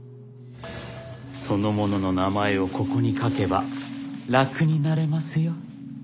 その者の名前をここに書けば楽になれますよ。